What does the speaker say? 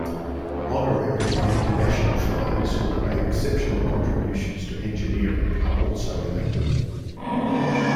Honorary and International Fellows who have made exceptional contributions to engineering are also elected.